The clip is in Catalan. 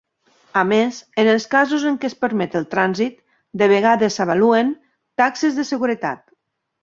A més, en els casos en què es permet el trànsit, de vegades s'avaluen "taxes de seguretat".